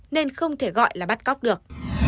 nên không thể gọi là bắt cóc được